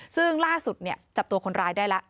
ซึ่งล่าสุดจับตัวคนร้ายได้แล้ว